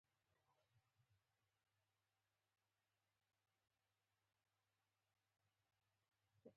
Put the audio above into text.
دا پیسې د لارې د لګښتونو لپاره وې.